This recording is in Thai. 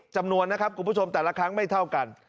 จำนวนนะครับคุณผู้ชมแต่ละครั้งไม่เท่ากัน